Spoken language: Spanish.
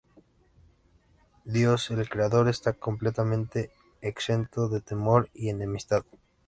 Dios el Creador está completamente exento de temor y enemistad.